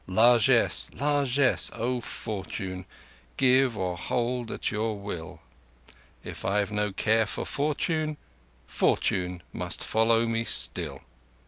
Largesse! Largesse, O Fortune! Give or hold at your will. If I've no care for Fortune, Fortune must follow me still!